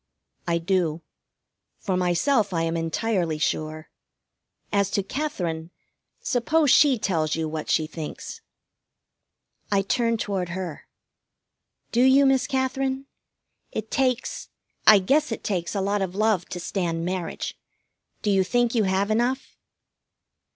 "I do. For myself I am entirely sure. As to Katherine Suppose she tells you what she thinks." I turned toward her. "Do you, Miss Katherine? It takes I guess it takes a lot of love to stand marriage. Do you think you have enough?"